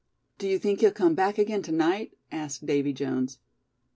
"Do you think he'll come back again to night?" asked Davy Jones.